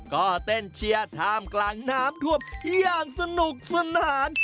ก็เต้นเชียร์ท่ามกลางน้ำท่วมอย่างสนุกสนาน